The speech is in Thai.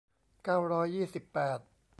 เก้าร้อยยี่สิบแปด